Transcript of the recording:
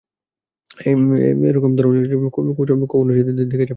এ রকম ধরনের কাচ সে কখনও দেখিয়াছে বলিয়া তো মনে হয় না।